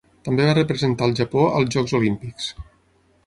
També va representar el Japó al Jocs Olímpics.